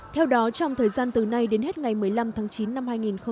theo đó trong thời gian từ nay đến hết ngày một mươi năm tháng chín năm hai nghìn hai mươi